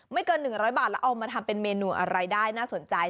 เกิน๑๐๐บาทแล้วเอามาทำเป็นเมนูอะไรได้น่าสนใจ